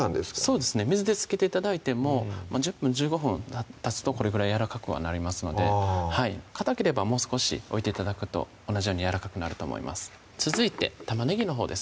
そうですね水でつけて頂いても１０分・１５分たつとこれぐらいやわらかくはなりますのでかたければもう少し置いて頂くと同じようにやわらかくなると思います続いて玉ねぎのほうですね